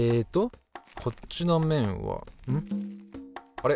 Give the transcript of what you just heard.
あれ？